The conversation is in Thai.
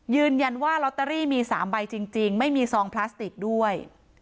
ยืนยันว่าลอตเตอรี่มี๓ใบจริงไม่มีซองพลาสติกด้วย